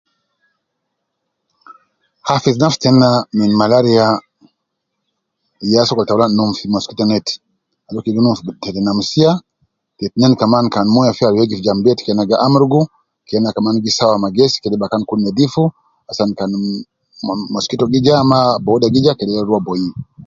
Hafidh nafsi tenna min malaria ya sokol taulan num fii mosquito net ajol kede gi num fii terenamshiya ,te itinin kaman kan moyo fi jam bet ke ina gi amurugu kena kaman gi sawa me gesi kede bakan gi kun nedif asan kan mosquito gija ama booda gija kedea rua boyi